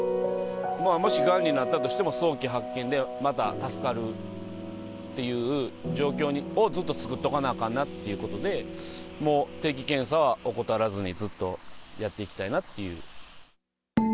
もしがんになったとしても、早期発見でまた助かるっていう状況をずっと作っとかなあかんなってことで、もう、定期検査は怠らずにずっとやっていきたいなっていう。